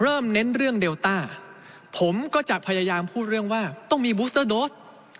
เน้นเรื่องเดลต้าผมก็จะพยายามพูดเรื่องว่าต้องมีบูสเตอร์โดส